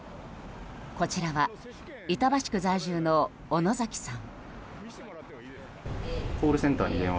こちらは板橋区在住の小野崎さん。